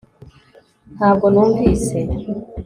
ntabwo numvise